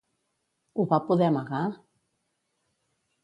Ho va poder amagar?